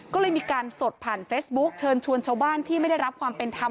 ก็เลยมีการสดผ่านเฟซบุ๊กเชิญชวนชาวบ้านที่ไม่ได้รับความเป็นธรรม